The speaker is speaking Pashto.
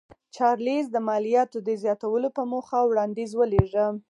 چارلېز د مالیاتو د زیاتولو په موخه وړاندیز ولېږه.